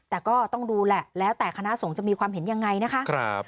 แต่ก็ต้องดูแหละแล้วแต่คณะสงฆ์จะมีความเห็นยังไงนะคะ